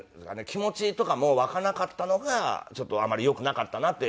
気持ちとかも湧かなかったのがちょっとあまりよくなかったなって